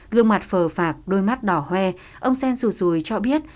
gương mặt phờ phạc đôi mắt đỏ hoe ông sên sùi sùi cho biết